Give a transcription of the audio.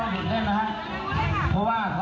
หมดพูดตรงเรียนมัธยมวัดสิงห์